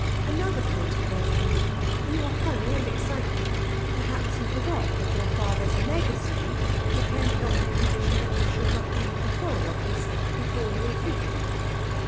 'Another point occurs to me. In your hurry and excitement, perhaps you forgot that your father's legacy depended on the condition that you should not leave the Foreign Office before you were fifty.